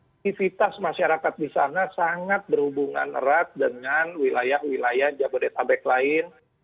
aktivitas masyarakat di sana sangat berhubungan erat dengan wilayah wilayah jabodetabek lain